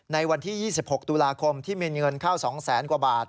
ในวันที่๒๖ตุลาคมที่มีเงินเข้า๒แสนกว่าบาท